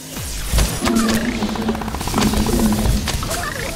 Qu’il ait sa cendre au cœur, qu’il ait sa flamme au front